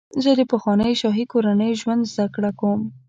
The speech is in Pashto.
زه د پخوانیو شاهي کورنیو ژوند زدهکړه کوم.